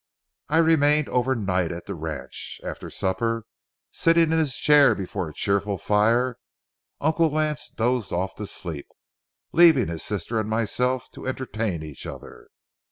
I remained overnight at the ranch. After supper, sitting in his chair before a cheerful fire, Uncle Lance dozed off to sleep, leaving his sister and myself to entertain each other.